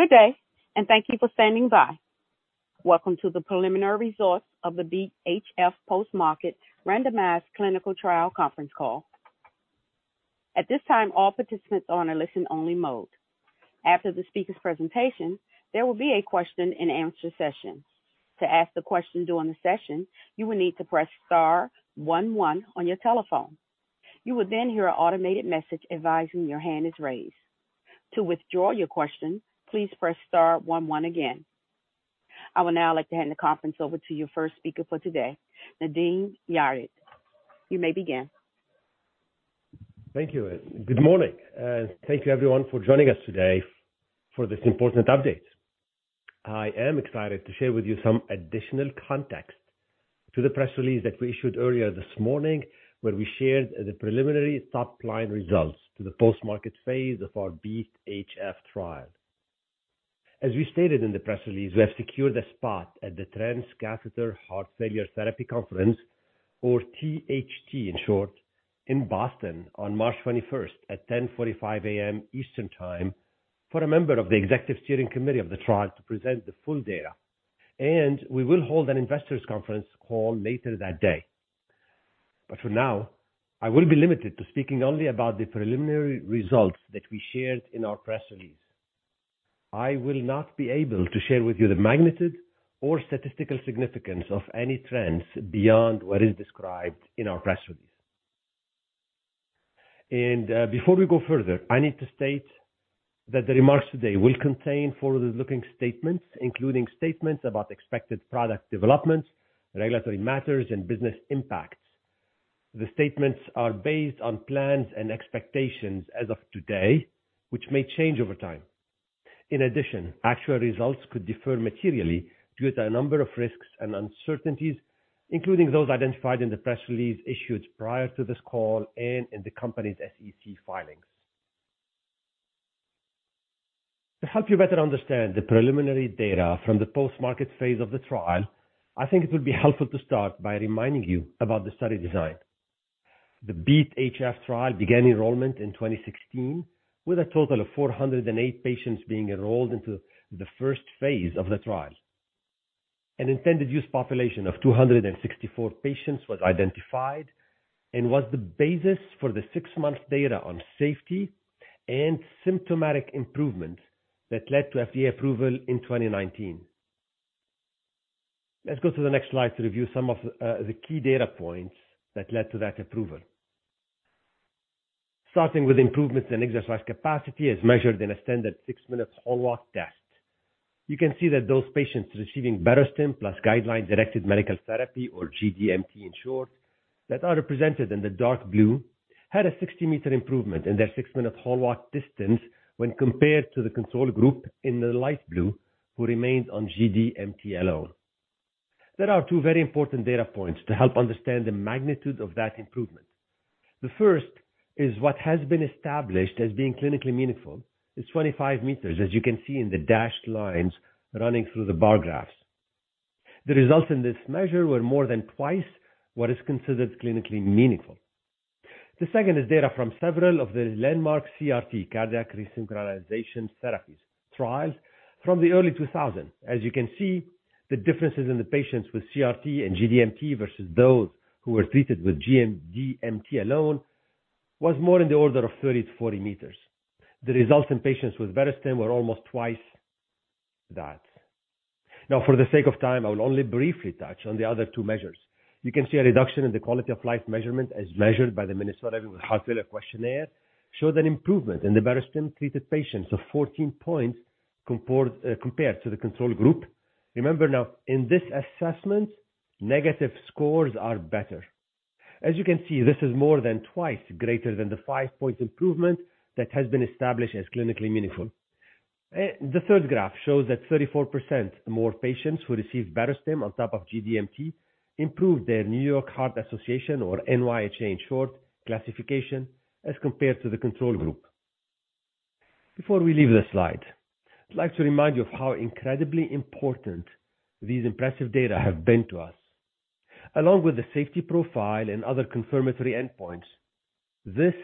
Good day. Thank you for standing by. Welcome to the preliminary results of the BeAT-HF post-market randomized clinical trial conference call. At this time, all participants are on a listen-only mode. After the speaker's presentation, there will be a question-and-answer session. To ask the question during the session, you will need to press star one on your telephone. You will hear an automated message advising your hand is raised. To withdraw your question, please press star one again. I would now like to hand the conference over to your first speaker for today, Nadim Yared. You may begin. Thank you. Good morning, thank you everyone for joining us today for this important update. I am excited to share with you some additional context to the press release that we issued earlier this morning, where we shared the preliminary top-line results to the post-market phase of our BeAT-HF trial. As we stated in the press release, we have secured a spot at the Transcatheter Heart Failure Therapy Conference, or THT in short, in Boston on March 21st at 10:45 A.M. Eastern Time, for a member of the Executive Steering Committee of the trial to present the full data. We will hold an Investors Conference Call later that day. For now, I will be limited to speaking only about the preliminary results that we shared in our press release. I will not be able to share with you the magnitude or statistical significance of any trends beyond what is described in our press release. Before we go further, I need to state that the remarks today will contain forward-looking statements, including statements about expected product developments, regulatory matters, and business impacts. The statements are based on plans and expectations as of today, which may change over time. In addition, actual results could differ materially due to a number of risks and uncertainties, including those identified in the press release issued prior to this call and in the company's SEC filings. To help you better understand the preliminary data from the post-market phase of the trial, I think it would be helpful to start by reminding you about the study design. The BeAT-HF trial began enrollment in 2016, with a total of 408 patients being enrolled into the first phase of the trial. An intended use population of 264 patients was identified and was the basis for the six-month data on safety and symptomatic improvement that led to FDA approval in 2019. Let's go to the next slide to review some of the key data points that led to that approval. Starting with improvements in exercise capacity as measured in a standard six-minute walk test. You can see that those patients receiving Barostim plus guideline-directed medical therapy or GDMT in short, that are represented in the dark blue, had a 60-meter improvement in their six-minute walk distance when compared to the control group in the light blue, who remained on GDMT alone. There are two very important data points to help understand the magnitude of that improvement. The first is what has been established as being clinically meaningful. It's 25 meters, as you can see in the dashed lines running through the bar graphs. The results in this measure were more than twice what is considered clinically meaningful. The second is data from several of the landmark CRT, Cardiac Resynchronization Therapies trials from the early 2000. As you can see, the differences in the patients with CRT and GDMT versus those who were treated with GMT alone was more in the order of 30 meters-40 meters. The results in patients with Barostim were almost twice that. For the sake of time, I will only briefly touch on the other two measures. You can see a reduction in the quality of life measurement as measured by the Minnesota Living with Heart Failure Questionnaire showed an improvement in the Barostim-treated patients of 14 points compared to the control group. Remember now in this assessment, negative scores are better. As you can see, this is more than twice greater than the five-point improvement that has been established as clinically meaningful. The third graph shows that 34% more patients who received Barostim on top of GDMT improved their New York Heart Association or NYHA in short classification as compared to the control group. Before we leave this slide, I'd like to remind you of how incredibly important these impressive data have been to us. Along with the safety profile and other confirmatory endpoints, this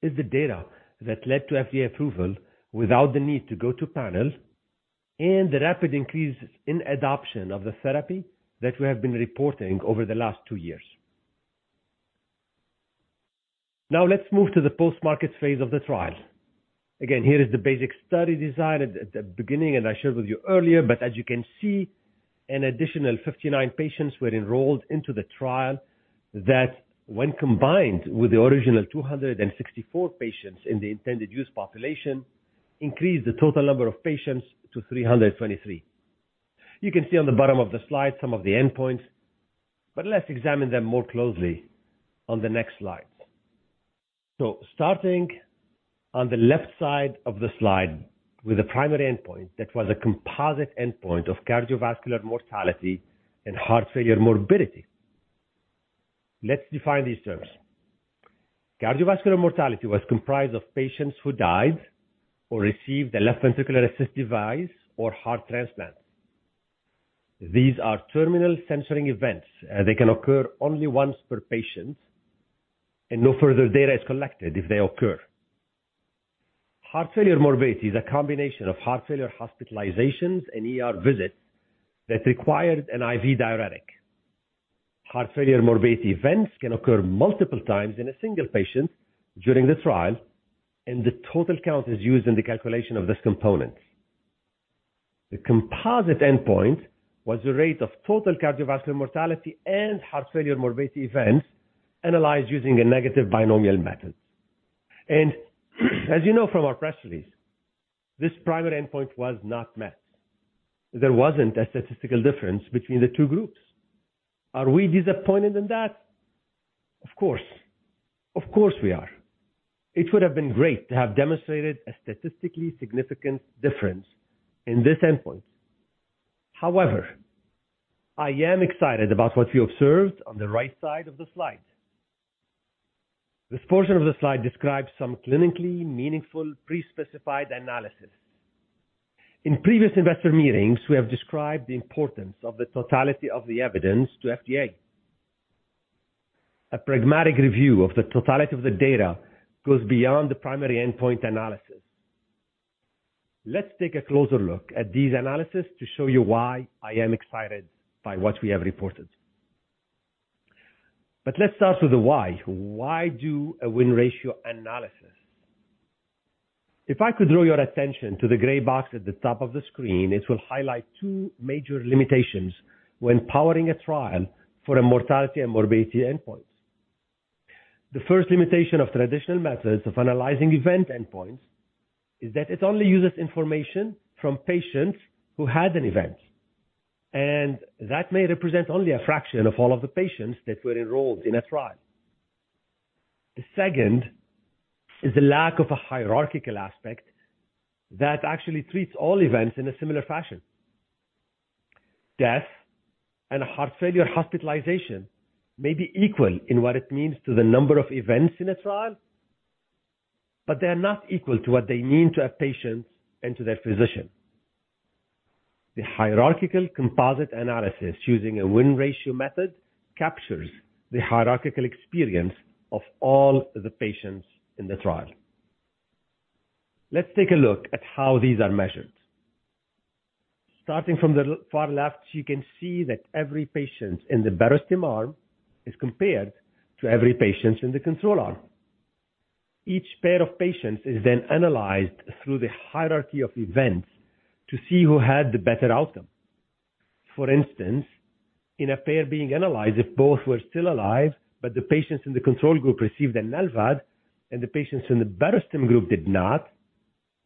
is the data that led to FDA approval without the need to go to panels and the rapid increase in adoption of the therapy that we have been reporting over the last two years. Let's move to the post-market phase of the trial. Again, here is the basic study design at the beginning as I shared with you earlier. As you can see, an additional 59 patients were enrolled into the trial that when combined with the original 264 patients in the intended use population, increased the total number of patients to 323. You can see on the bottom of the slide some of the endpoints, but let's examine them more closely on the next slides. Starting on the left side of the slide with the primary endpoint that was a composite endpoint of cardiovascular mortality and heart failure morbidity. Let's define these terms. Cardiovascular mortality was comprised of patients who died or received a left ventricular assist device or heart transplant. These are terminal censoring events. They can occur only once per patient, and no further data is collected if they occur. Heart failure morbidity is a combination of heart failure hospitalizations and ER visits that required an IV diuretic. Heart failure morbidity events can occur multiple times in a single patient during the trial, and the total count is used in the calculation of this component. The composite endpoint was the rate of total cardiovascular mortality and heart failure morbidity events analyzed using a negative binomial method. As you know from our press release, this primary endpoint was not met. There wasn't a statistical difference between the two groups. Are we disappointed in that? Of course. Of course, we are. It would have been great to have demonstrated a statistically significant difference in this endpoint. I am excited about what we observed on the right side of the slide. This portion of the slide describes some clinically meaningful pre-specified analysis. In previous investor meetings, we have described the importance of the totality of the evidence to FDA. A pragmatic review of the totality of the data goes beyond the primary endpoint analysis. Let's take a closer look at these analysis to show you why I am excited by what we have reported. Let's start with the why. Why do a win ratio analysis? If I could draw your attention to the gray box at the top of the screen, it will highlight two major limitations when powering a trial for a Mortality and Morbidity endpoint. The first limitation of traditional methods of analyzing event endpoints is that it only uses information from patients who had an event, and that may represent only a fraction of all of the patients that were enrolled in a trial. The second is the lack of a hierarchical aspect that actually treats all events in a similar fashion. Death and heart failure hospitalization may be equal in what it means to the number of events in a trial, but they are not equal to what they mean to a patient and to their physician. The hierarchical composite analysis using a win ratio method captures the hierarchical experience of all the patients in the trial. Let's take a look at how these are measured. Starting from the far left, you can see that every patient in the Barostim arm is compared to every patient in the control arm. Each pair of patients is then analyzed through the hierarchy of events to see who had the better outcome. For instance, in a pair being analyzed, if both were still alive, but the patients in the control group received an LVAD and the patients in the Barostim group did not,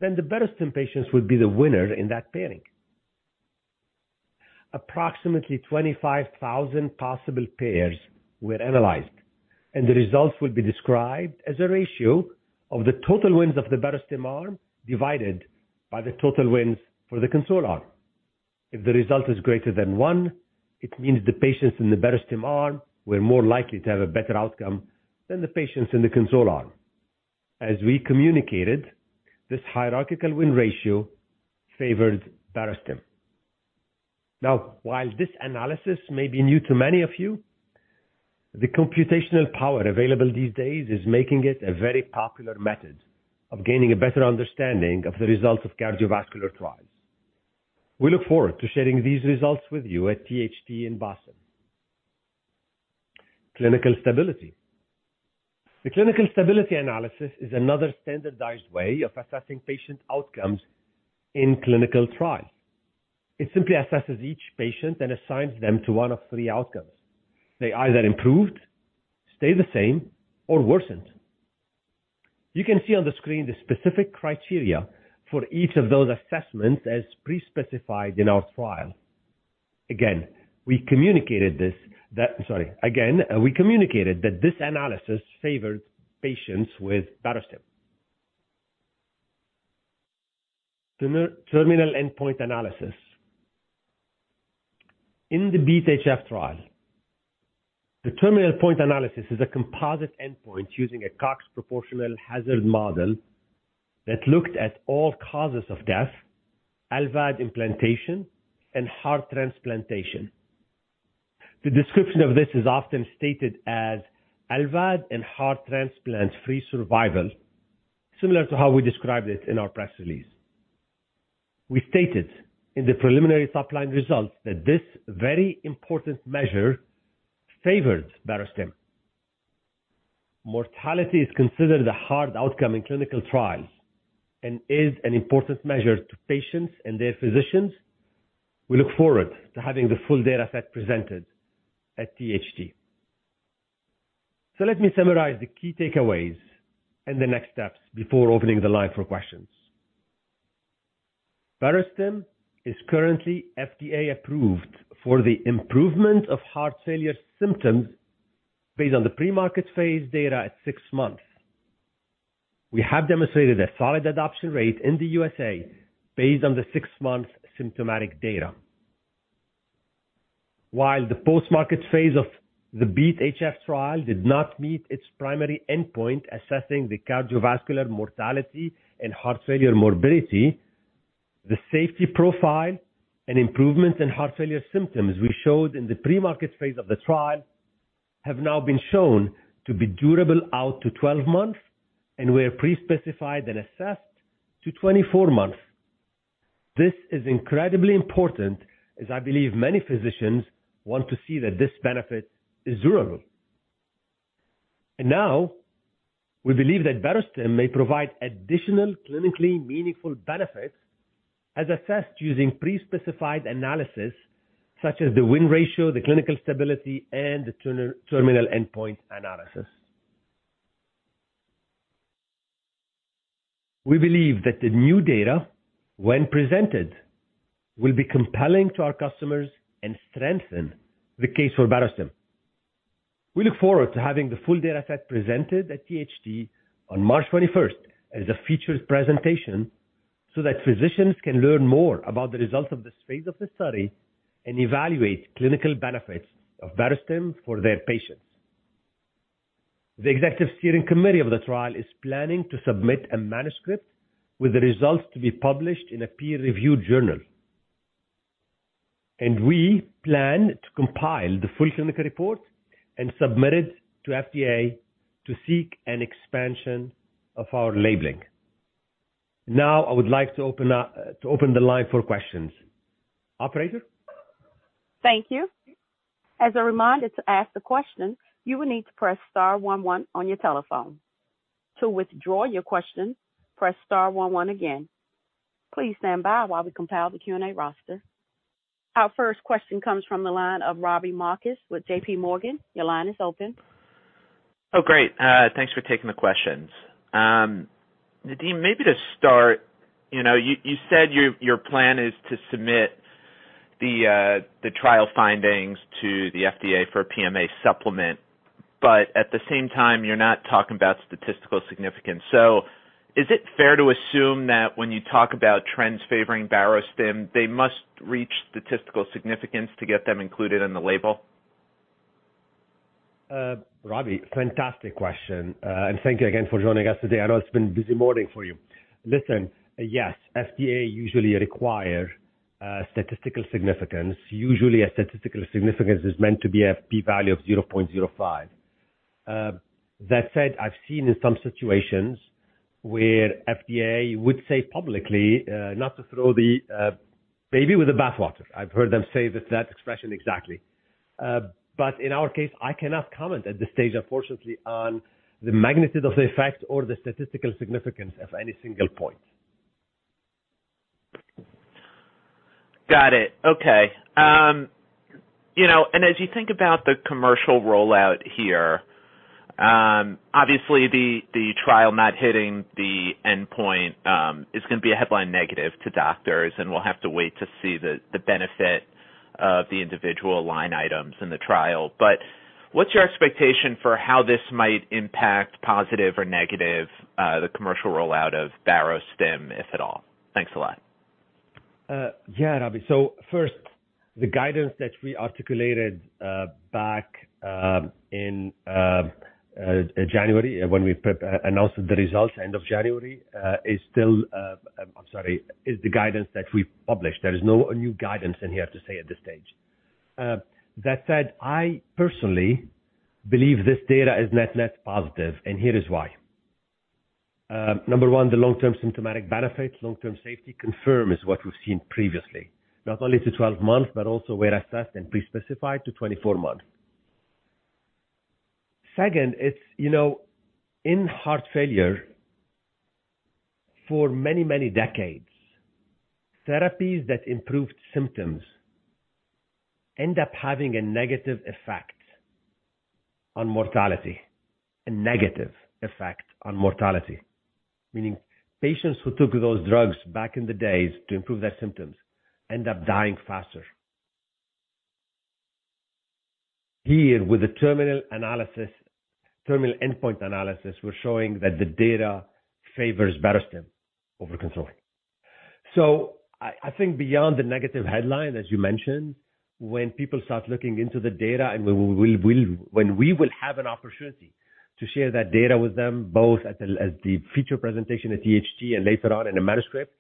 then the Barostim patients would be the winner in that pairing. Approximately 25,000 possible pairs were analyzed, and the results will be described as a ratio of the total wins of the Barostim arm divided by the total wins for the control arm. If the result is greater than one, it means the patients in the Barostim arm were more likely to have a better outcome than the patients in the control arm. As we communicated, this hierarchical win ratio favored Barostim. Now, while this analysis may be new to many of you, the computational power available these days is making it a very popular method of gaining a better understanding of the results of cardiovascular trials. We look forward to sharing these results with you at THT in Boston. Clinical stability. The clinical stability analysis is another standardized way of assessing patient outcomes in clinical trials. It simply assesses each patient, then assigns them to one of three outcomes. They either improved, stayed the same, or worsened. You can see on the screen the specific criteria for each of those assessments as pre-specified in our trial. Again, we communicated this. I'm sorry. We communicated that this analysis favored patients with Barostim. Terminal endpoint analysis. In the BeAT-HF trial, the terminal endpoint analysis is a composite endpoint using a Cox proportional hazards model that looked at all causes of death, LVAD implantation, and heart transplantation. The description of this is often stated as LVAD and heart transplant-free survival, similar to how we described it in our press release. We stated in the preliminary top-line results that this very important measure favored Barostim. Mortality is considered a hard outcome in clinical trials and is an important measure to patients and their physicians. We look forward to having the full dataset presented at THT. Let me summarize the key takeaways and the next steps before opening the line for questions. Barostim is currently FDA-approved for the improvement of heart failure symptoms based on the pre-market phase data at six months. We have demonstrated a solid adoption rate in the USA based on the six-month symptomatic data. While the post-market phase of the BeAT-HF trial did not meet its primary endpoint assessing the cardiovascular mortality and heart failure morbidity, the safety profile and improvements in heart failure symptoms we showed in the pre-market phase of the trial have now been shown to be durable out to 12 months and were pre-specified and assessed to 24 months. This is incredibly important as I believe many physicians want to see that this benefit is durable. Now we believe that Barostim may provide additional clinically meaningful benefits as assessed using pre-specified analysis such as the win ratio, the clinical stability, and the terminal endpoint analysis. We believe that the new data, when presented, will be compelling to our customers and strengthen the case for Barostim. We look forward to having the full data set presented at THT on March 21st as a featured presentation so that physicians can learn more about the results of this phase of the study and evaluate clinical benefits of Barostim for their patients. The Executive Steering Committee of the trial is planning to submit a manuscript with the results to be published in a peer-reviewed journal. We plan to compile the full clinical report and submit it to FDA to seek an expansion of our labeling. Now, I would like to open the line for questions. Operator? Thank you. As a reminder, to ask the question, you will need to press star one one on your telephone. To withdraw your question, press star one one again. Please stand by while we compile the Q&A roster. Our first question comes from the line of Robbie Marcus with JPMorgan. Your line is open. Great. Thanks for taking the questions. Nadim, maybe to start, you know, you said your plan is to submit the trial findings to the FDA for a PMA supplement, but at the same time you're not talking about statistical significance. Is it fair to assume that when you talk about trends favoring Barostim, they must reach statistical significance to get them included in the label? Robbie, fantastic question. Thank you again for joining us today. I know it's been a busy morning for you. Listen, yes, FDA usually require statistical significance. Usually a statistical significance is meant to be a p-value of 0.05. That said, I've seen in some situations where FDA would say publicly, not to throw the baby with the bath water. I've heard them say that expression exactly. In our case, I cannot comment at this stage, unfortunately, on the magnitude of the effect or the statistical significance of any single point. Got it. Okay. you know, as you think about the commercial rollout here, obviously the trial not hitting the endpoint, is gonna be a headline negative to doctors, and we'll have to wait to see the benefit of the individual line items in the trial. What's your expectation for how this might impact, positive or negative, the commercial rollout of Barostim, if at all? Thanks a lot. First, the guidance that we articulated back in January when we announced the results end of January, is still, I'm sorry, is the guidance that we published. There is no new guidance in here to say at this stage. That said, I personally believe this data is net-net positive, here is why. Number one, the long-term symptomatic benefit, long-term safety confirms what we've seen previously, not only to 12 months but also where assessed and pre-specified to 24 months. Second, it's, you know, in heart failure for many, many decades, therapies that improved symptoms end up having a negative effect on mortality, a negative effect on mortality. Meaning patients who took those drugs back in the days to improve their symptoms end up dying faster. Here, with the terminal analysis, terminal endpoint analysis, we're showing that the data favors Barostim over control. I think beyond the negative headline, as you mentioned, when people start looking into the data and when we will have an opportunity to share that data with them, both at the, at the feature presentation at THT and later on in a manuscript,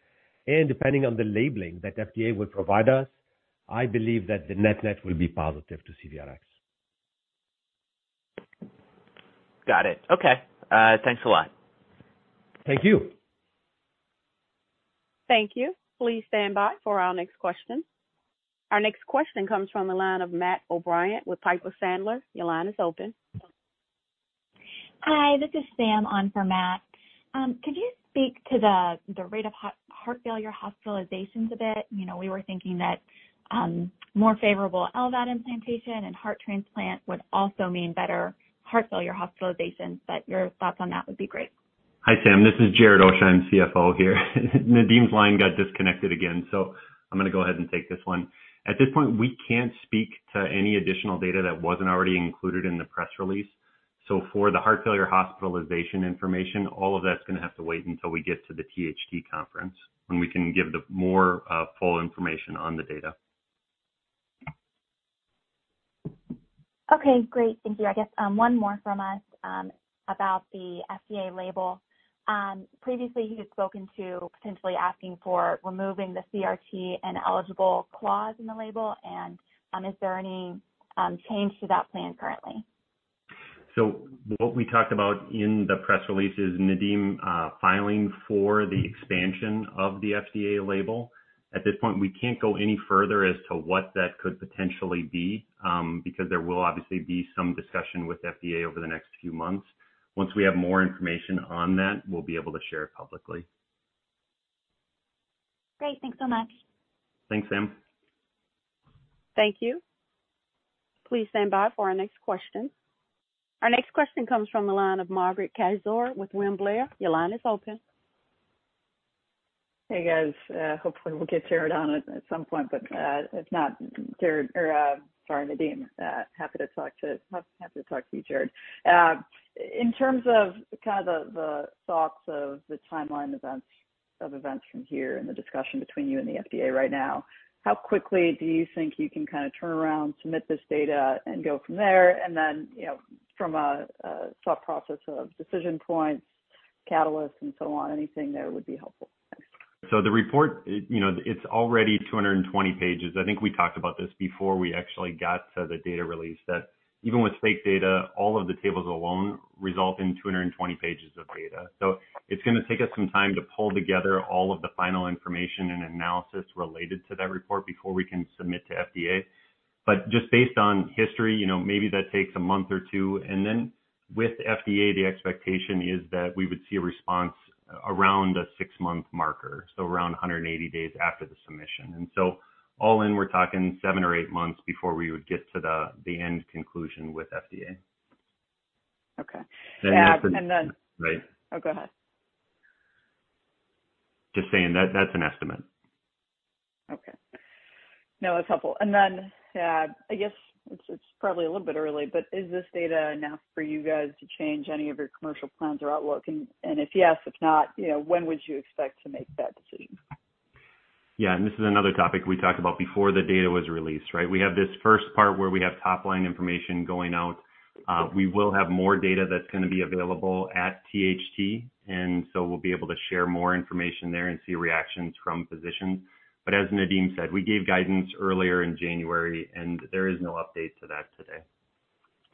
and depending on the labeling that FDA will provide us, I believe that the net-net will be positive to CVRx. Got it. Okay. Thanks a lot. Thank you. Thank you. Please stand by for our next question. Our next question comes from the line of Matt O'Brien with Piper Sandler. Your line is open. Hi, this is Sam on for Matt. Could you speak to the rate of heart failure hospitalizations a bit? You know, we were thinking that more favorable LVAD implantation and heart transplant would also mean better heart failure hospitalizations. Your thoughts on that would be great. Hi, Sam. This is Jared Oasheim, CFO here. Nadim's line got disconnected again, so I'm gonna go ahead and take this one. At this point, we can't speak to any additional data that wasn't already included in the press release. For the heart failure hospitalization information, all of that's gonna have to wait until we get to the THT conference when we can give the more full information on the data. Okay, great. Thank you. I guess, one more from us, about the FDA label. Previously, you had spoken to potentially asking for removing the in the label. Is there any change to that plan currently? What we talked about in the press release is Nadim filing for the expansion of the FDA label. At this point, we can't go any further as to what that could potentially be because there will obviously be some discussion with FDA over the next few months. Once we have more information on that, we'll be able to share it publicly. Great. Thanks so much. Thanks, Sam. Thank you. Please stand by for our next question. Our next question comes from the line of Margaret Kaczor with William Blair. Your line is open. Hey, guys. Hopefully we'll get Jared on at some point, but, if not, Jared or sorry, Nadim. Happy to talk to you, Jared. In terms of kind of the thoughts of the timeline events, of events from here and the discussion between you and the FDA right now, how quickly do you think you can kind of turn around, submit this data and go from there? Then, you know, from a thought process of decision points, catalysts and so on, anything there would be helpful. Thanks. The report, you know, it's already 220 pages. I think we talked about this before we actually got to the data release that even with fake data, all of the tables alone result in 220 pages of data. It's gonna take us some time to pull together all of the final information and analysis related to that report before we can submit to FDA. Just based on history, you know, maybe that takes a month or two. Then with FDA, the expectation is that we would see a response around the six-month marker, so around 180 days after the submission. All in, we're talking seven or eight months before we would get to the end conclusion with FDA. Okay. Right. Oh, go ahead. Just saying that's an estimate. Okay. No, it's helpful. I guess it's probably a little bit early, but is this data enough for you guys to change any of your commercial plans or outlook? If yes, if not, you know, when would you expect to make that decision? Yeah, this is another topic we talked about before the data was released, right? We have this first part where we have top-line information going out. We will have more data that's going to be available at THT. We'll be able to share more information there and see reactions from physicians. As Nadim said, we gave guidance earlier in January. There is no update to that today.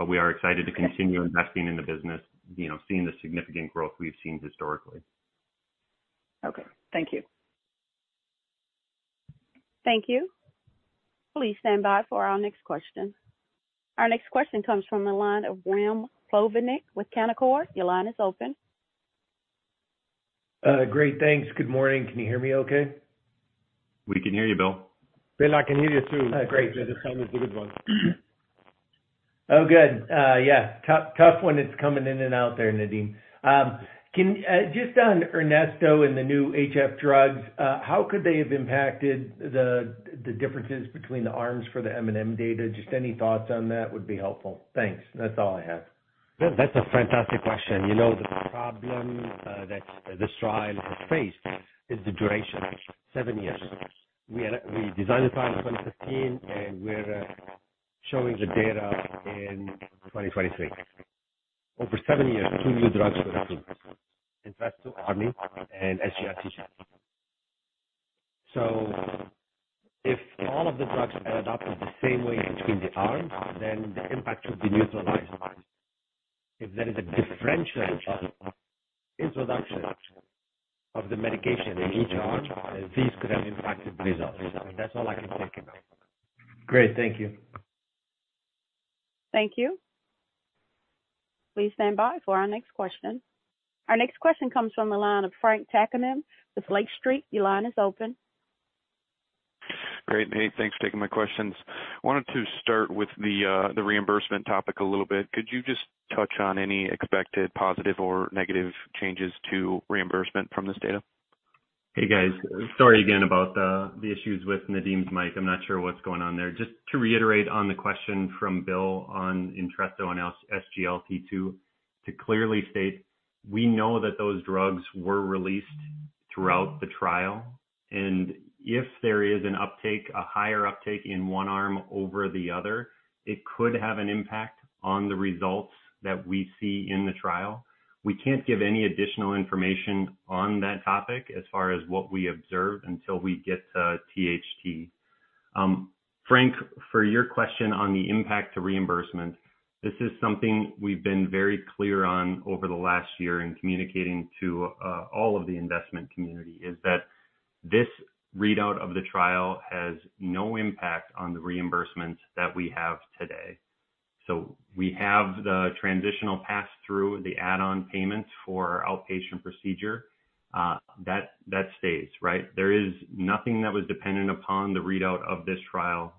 We are excited to continue investing in the business, you know, seeing the significant growth we've seen historically. Okay. Thank you. Thank you. Please stand by for our next question. Our next question comes from the line of Bill Plovanic with Canaccord. Your line is open. Great. Thanks. Good morning. Can you hear me okay? We can hear you, Bill. Bill, I can hear you too. Great. The sound is a good one. Good. Yeah, tough when it's coming in and out there, Nadim. Just on Entresto and the new HF drugs, how could they have impacted the differences between the arms for the M&M data? Just any thoughts on that would be helpful. Thanks. That's all I have. That's a fantastic question. You know, the problem that this trial has faced is the duration, seven years. We designed the trial in 2015, and we're showing the data in 2023. Over seven years, two new drugs were approved, Entresto, an ARNI, and SGLT2. If all of the drugs were adopted the same way between the arms, then the impact would be neutralized. If there is a differential introduction of the medication in each arm, these could have impacted results. That's all I can think about. Great. Thank you. Thank you. Please stand by for our next question. Our next question comes from the line of Frank Takkinen with Lake Street. Your line is open. Great. Hey, thanks for taking my questions. Wanted to start with the reimbursement topic a little bit. Could you just touch on any expected positive or negative changes to reimbursement from this data? Hey, guys, sorry again about the issues with Nadim's mic. I'm not sure what's going on there. Just to reiterate on the question from Bill on Entresto and SGLT2, to clearly state, we know that those drugs were released throughout the trial, and if there is an uptake, a higher uptake in one arm over the other, it could have an impact on the results that we see in the trial. We can't give any additional information on that topic as far as what we observed until we get to THT. Frank, for your question on the impact to reimbursement, this is something we've been very clear on over the last year in communicating to all of the investment community, is that this readout of the trial has no impact on the reimbursements that we have today. We have the transitional pass-through, the add-on payments for our outpatient procedure, that stays, right? There is nothing that was dependent upon the readout of this trial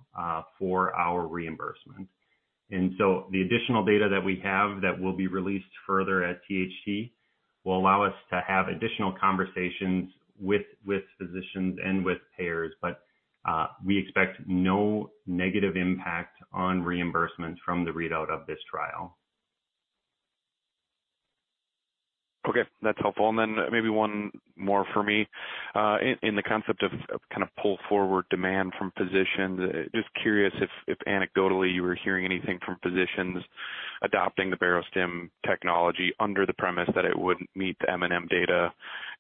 for our reimbursement. The additional data that we have that will be released further at THT will allow us to have additional conversations with physicians and with payers. We expect no negative impact on reimbursements from the readout of this trial. Okay, that's helpful. Then maybe one more for me. In the concept of kind of pull forward demand from physicians, just curious if anecdotally you were hearing anything from physicians adopting the Barostim technology under the premise that it wouldn't meet the M&M data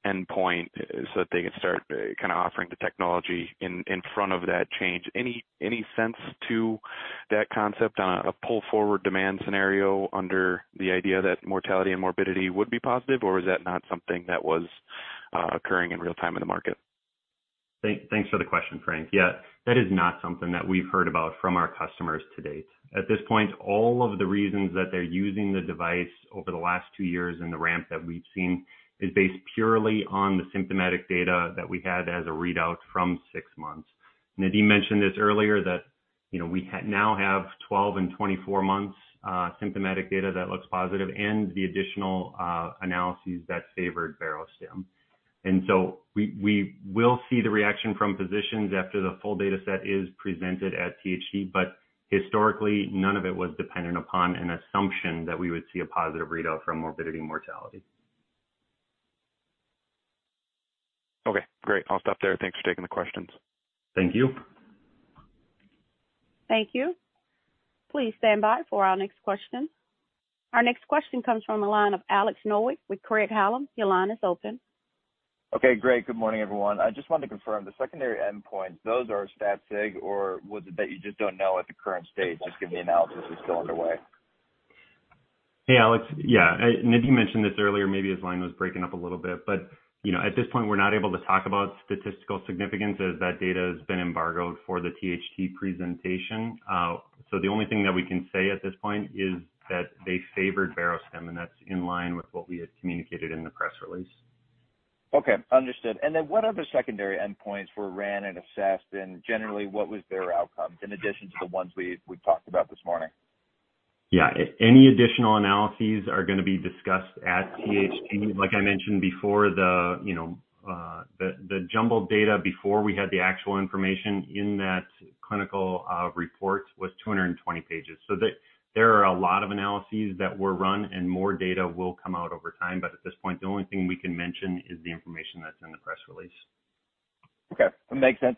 endpoint so that they could start kind of offering the technology in front of that change. Any sense to that concept on a pull forward demand scenario under the idea that mortality and morbidity would be positive, or is that not something that was occurring in real time in the market? Thanks for the question, Frank. Yeah, that is not something that we've heard about from our customers to date. At this point, all of the reasons that they're using the device over the last two years and the ramp that we've seen is based purely on the symptomatic data that we had as a readout from six months. Nadim mentioned this earlier, that, you know, we now have 12 and 24 months symptomatic data that looks positive and the additional analyses that favored Barostim. We will see the reaction from physicians after the full data set is presented at THT. Historically, none of it was dependent upon an assumption that we would see a positive readout from Morbidity and Mortality. Okay, great. I'll stop there. Thanks for taking the questions. Thank you. Thank you. Please stand by for our next question. Our next question comes from the line of Alex Nowak with Craig-Hallum. Your line is open. Okay, great. Good morning, everyone. I just wanted to confirm the secondary endpoints, those are stat sig or was it that you just don't know at the current state, just given the analysis is still underway? Hey, Alex. Yeah. Nadim mentioned this earlier, maybe his line was breaking up a little bit. You know, at this point, we're not able to talk about statistical significance as that data has been embargoed for the THT presentation. The only thing that we can say at this point is that they favored Barostim, and that's in line with what we had communicated in the press release. Okay, understood. Then what other secondary endpoints were ran and assessed, and generally, what was their outcomes in addition to the ones we've talked about this morning? Yeah. Any additional analyses are gonna be discussed at THT. Like I mentioned before, the, you know, the jumbled data before we had the actual information in that clinical report was 220 pages. There are a lot of analyses that were run and more data will come out over time. At this point, the only thing we can mention is the information that's in the press release. Okay, that makes sense.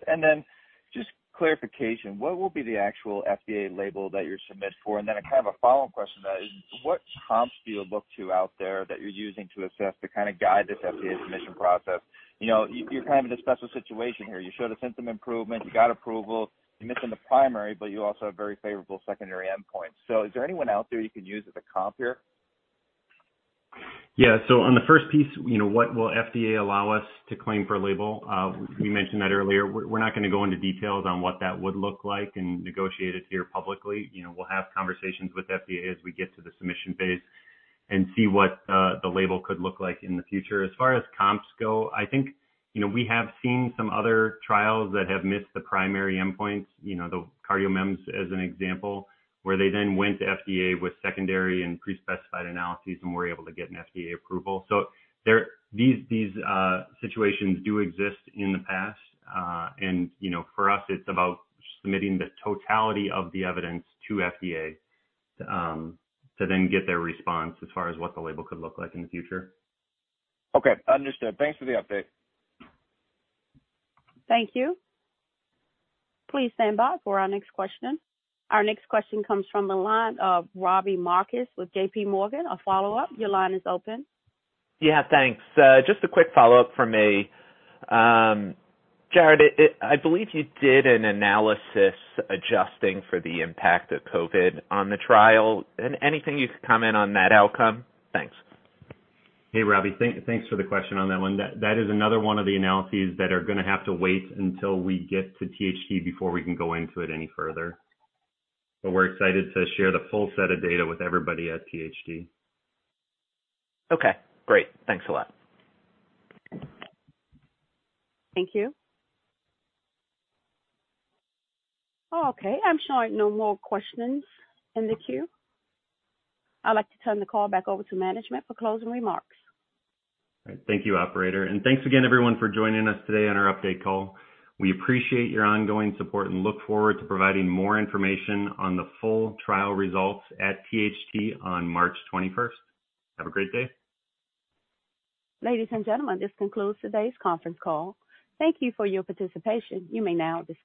Just clarification, what will be the actual FDA label that you submit for? I kind of a follow-up question to that is what comps do you look to out there that you're using to assess to kind of guide this FDA submission process? You know, you're kind of in a special situation here. You showed a symptom improvement, you got approval, you're missing the primary, but you also have very favorable secondary endpoint. Is there anyone out there you could use as a comp here? Yeah. On the first piece, you know, what will FDA allow us to claim for a label? We mentioned that earlier. We're not gonna go into details on what that would look like and negotiate it here publicly. You know, we'll have conversations with FDA as we get to the submission phase and see what the label could look like in the future. As far as comps go, I think, you know, we have seen some other trials that have missed the primary endpoint, you know, the CardioMEMS as an example, where they then went to FDA with secondary and pre-specified analyses and were able to get an FDA approval. These situations do exist in the past. You know, for us, it's about submitting the totality of the evidence to FDA, to then get their response as far as what the label could look like in the future. Okay, understood. Thanks for the update. Thank you. Please stand by for our next question. Our next question comes from the line of Robbie Marcus with JPMorgan. A follow-up. Your line is open. Yeah. Thanks. Just a quick follow-up from me. Jared, I believe you did an analysis adjusting for the impact of COVID on the trial. Anything you could comment on that outcome? Thanks. Hey, Robbie. Thanks for the question on that one. That is another one of the analyses that are gonna have to wait until we get to THT before we can go into it any further. We're excited to share the full set of data with everybody at THT. Okay, great. Thanks a lot. Thank you. Okay, I'm showing no more questions in the queue. I'd like to turn the call back over to management for closing remarks. All right. Thank you, operator. Thanks again, everyone, for joining us today on our update call. We appreciate your ongoing support and look forward to providing more information on the full trial results at THT on March 21st. Have a great day. Ladies and gentlemen, this concludes today's conference call. Thank you for your participation. You may now disconnect.